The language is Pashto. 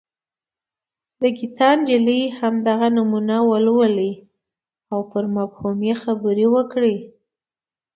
د ګیتا نجلي همدغه نمونه ولولئ او پر مفهوم یې خبرې وکړئ.